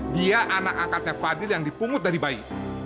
dia anak angkatnya fadil yang dipungut dari bayi